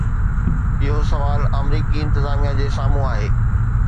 اهو سوال آمريڪي انتظاميه جي سامهون آهي.